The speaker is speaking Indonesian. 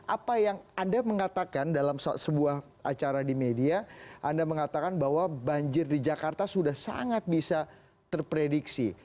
apa yang anda mengatakan dalam sebuah acara di media anda mengatakan bahwa banjir di jakarta sudah sangat bisa terprediksi